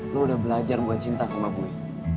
lo udah belajar buat cinta sama bue